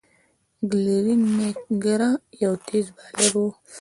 گلين میک ګرا یو تېز بالر وو.